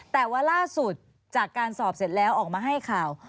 แต่ว่าล่าสุดจากการสอบเสร็จแล้วออกมาให้ข่าว